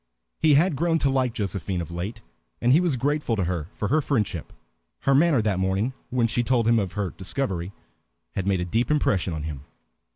He had grown to like Josephine of late, and he was grateful to her for her friendship. Her manner that morning, when she told him of her discovery, had made a deep impression on him.